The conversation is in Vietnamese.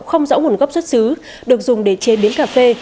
không rõ nguồn gốc xuất xứ được dùng để chế biến cà phê